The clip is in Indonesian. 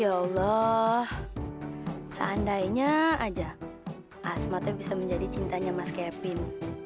ya allah seandainya aja asmatnya bisa menjadi cintanya mas kevin